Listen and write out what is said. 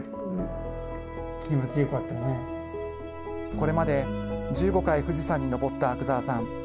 これまで１５回富士山に登った阿久澤さん。